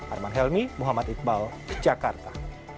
armand helmy muhammad iqbal jakarta